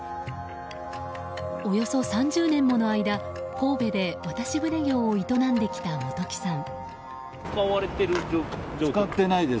およそ３０年もの間神戸で渡し船業を営んできた本木さん。